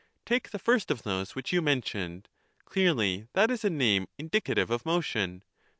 Take the first of those which you mentioned ; clearly that is a name indicative of motion.